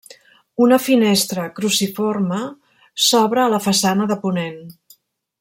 Una finestra cruciforme s'obre a la façana de ponent.